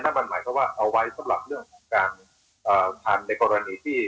อันนั้นหมายความว่าเอาไว้สำหรับการทานในกรณีที่